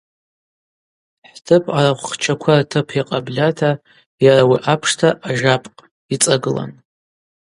Хӏтып арахвхчаква ртып йакъабльата йара ауи апшта ажапкъ йыцӏагылан.